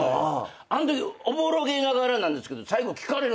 あのときおぼろげながらなんですけど最後聞かれるんですよ。